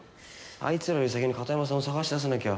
あいつらより先に片山さんを探し出さなきゃ。